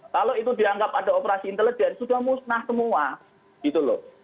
kalau itu dianggap ada operasi intelijen sudah musnah semua gitu loh